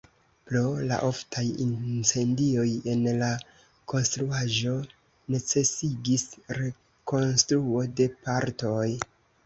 Pro la oftaj incendioj en la konstruaĵo necesigis rekonstruo de partoj.